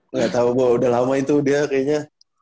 nggak tahu bahwa udah lama itu dia kayaknya